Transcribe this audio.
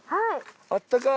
あったかい。